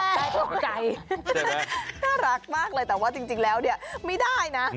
ตกใจน่ารักมากเลยแต่ว่าจริงแล้วเนี่ยไม่ได้นะ